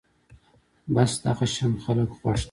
بس دغه شان خلک خوښ دي